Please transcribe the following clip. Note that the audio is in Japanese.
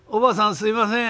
すいません」。